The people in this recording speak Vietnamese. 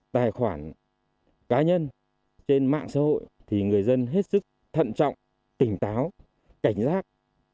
tài khoản cá nhân trên mạng xã hội thì người dân hết sức thận trọng tỉnh táo cảnh giác